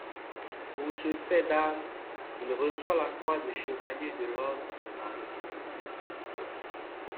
Pour ce fait d'armes, il reçoit la Croix de chevalier de l'ordre de Marie-Thérèse.